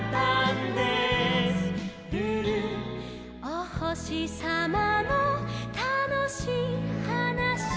「おほしさまのたのしいはなし」